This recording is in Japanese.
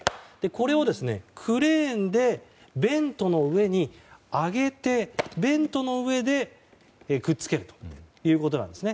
これをクレーンでベントの上に上げてベントの上で、くっつけるということなんですね。